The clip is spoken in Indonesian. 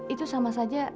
itu sama saja